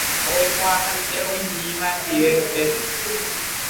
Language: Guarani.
Oikuaapaite oĩmíva guive upépe.